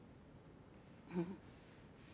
うん。